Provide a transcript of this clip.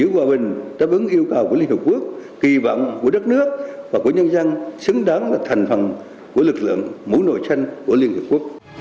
lực lượng tham gia hoạt động giữ hòa bình của liên hợp quốc kỳ vọng của đất nước và của nhân dân xứng đáng là thành phần của lực lượng mũ nội tranh của liên hợp quốc